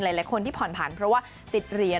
หลายคนที่ผ่อนผันเพราะว่าติดเหรียญ